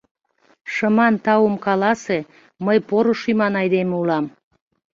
Шыман таум каласе — мый поро шӱман айдеме улам!